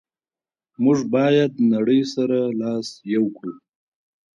موږ باید نړی سره لاس یو کړو.